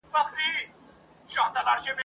چاچي د جهاني صاحب ورکه مېنه لوستې وي !.